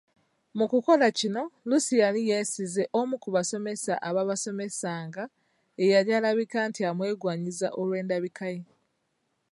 Mu kukola kino, Lucky yali yeesize omu ku basomesa abaabasomesanga, eyali alabika nti amwegwanyiza olw’endabikaye.